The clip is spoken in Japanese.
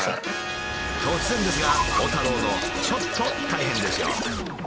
突然ですが鋼太郎のちょっと大変ですよ。